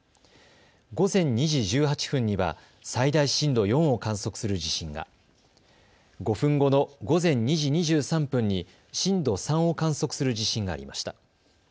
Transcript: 午前２時１８分には最大震度４を観測する地震が、５分後の午前２時２３分に震度３を観測する地震がありました。